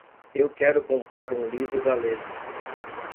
Eu quero comprar um livro galês.